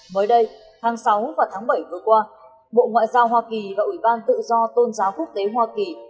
mới đây tháng sáu và tháng bảy vừa qua bộ ngoại giao hoa kỳ và ủy ban tự do tôn giáo quốc tế hoa kỳ